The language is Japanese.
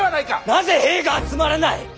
なぜ兵が集まらない！